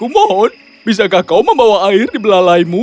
mohon bisa kau membawa air ke belalaimu